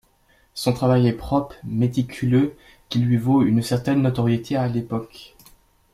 Son travail est propre, méticuleux, qui lui vaut une certaine notoriété à l'époque.